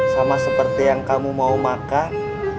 sama seperti yang kamu mau makan